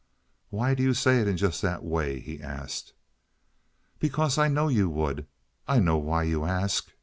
"Why do you say that in just that way?" he asked. "Because I know you would. I know why you ask.